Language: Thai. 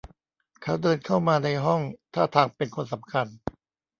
เขาเดินเข้ามาในห้องท่าทางเป็นคนสำคัญ